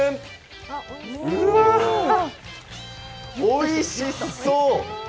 うわ、おいしそう！